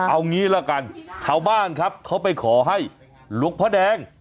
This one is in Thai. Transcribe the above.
เอางี้ละกันชาวบ้านครับเขาไปขอให้หลวงพ่อแดง